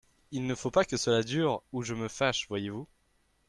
Il ne faut pas que cela dure Ou je me fâche, voyez-vous !